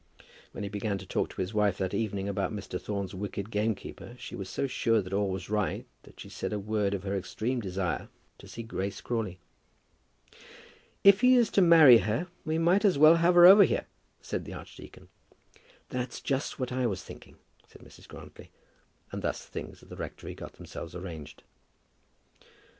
When he began to talk to his wife that evening about Mr. Thorne's wicked gamekeeper, she was so sure that all was right, that she said a word of her extreme desire to see Grace Crawley. "If he is to marry her, we might as well have her over here," said the archdeacon. "That's just what I was thinking," said Mrs. Grantly. And thus things at the rectory got themselves arranged.